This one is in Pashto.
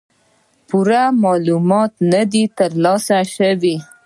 پوره معلومات نۀ دي تر لاسه شوي